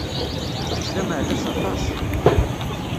Kečč d ameɛdaz aṭas!